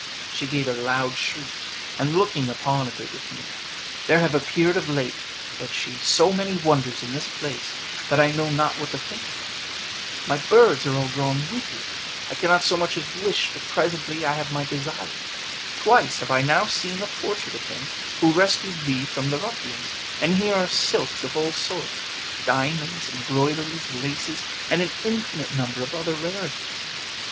She gave a loud shriek, and looking upon Abricotina, "There have appeared of late," said she, "so many wonders in this place, that I know not what to think of them: my birds are all grown witty; I cannot so much as wish, but presently I have my desires; twice have I now seen the portrait of him who rescued thee from the ruffians; and here are silks of all sorts, diamonds, embroideries, laces, and an infinite number of other rarities.